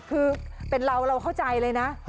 คือเป็นเราเราเข้าใจเลยนะ